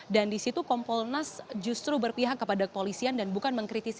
dan disitu kompolnas justru berpihak kepada kepolisian dan bukan mengkritisi hal itu